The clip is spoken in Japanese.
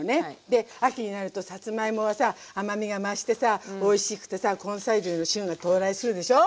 で秋になるとさつまいもはさ甘みが増してさおいしくてさ根菜類の旬が到来するでしょ。